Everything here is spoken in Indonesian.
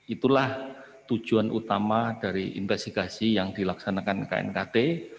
itulah tujuan utama dari investigasi yang dilaksanakan knkt